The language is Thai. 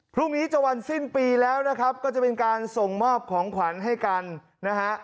พรุ่งนี้จะวันสิ้นปีแล้วนะครับก็จะเป็นการส่งมอบของขวัญให้กันนะฮะ